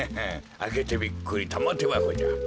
あけてびっくりたまてばこじゃ。